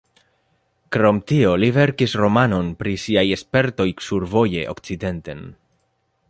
Krom tio, li verkis romanon pri siaj spertoj survoje okcidenten.